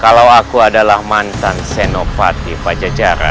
kalau aku adalah mantan senopati pajajaran